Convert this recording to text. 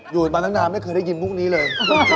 อยู่มาตั้งนานไม่เคยได้ยินมุกนี้เลย